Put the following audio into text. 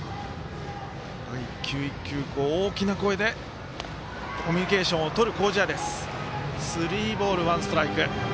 １球１球、大きな声でコミュニケーションをとる麹家。